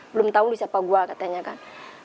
belum tau lu siapa gua katanya kan